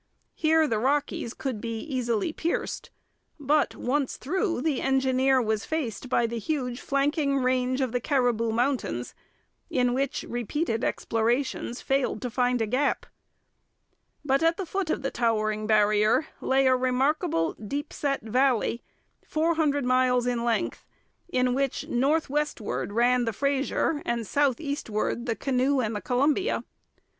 Here the Rockies could be easily pierced; but once through the engineer was faced by the huge flanking range of the Cariboo Mountains, in which repeated explorations failed to find a gap. But at the foot of the towering barrier lay a remarkable deep set valley four hundred miles in length, in which northwestward ran the Fraser and southeastward the Canoe and the Columbia.